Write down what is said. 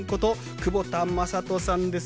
久保田雅人さんです。